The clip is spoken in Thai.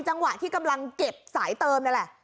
จังหวะที่กำลังเก็บสายเติมนั่นแหละ